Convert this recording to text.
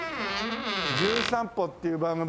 『じゅん散歩』っていう番組で来たね。